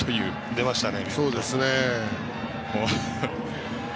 出ましたね。